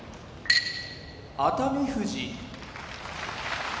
熱海富士